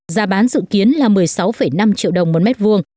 giá bán dự kiến là một mươi sáu năm triệu đồng